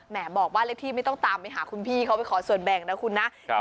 บอกว่าเลขที่ไม่ต้องตามไปหาคุณพี่เขาไปขอส่วนแบ่งนะคุณนะ